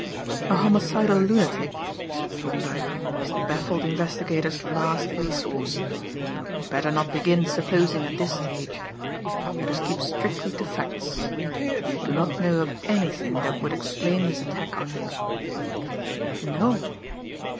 "A homicidal lunatic," said Thorndyke, "is the baffled investigator's last resource. But we had better not begin supposing at this stage. Let us keep strictly to facts. You do not know of anything that would explain this attack on you?" "No."